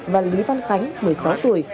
và lý văn khánh một mươi sáu tuổi